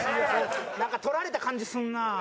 なんか取られた感じすんな。